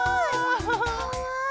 かわいい！